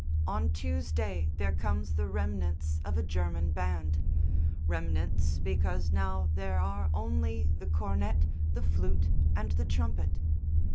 On Tuesday there comes the remnants of a German band remnants because now there are only the cornet, the flute and the trumpet.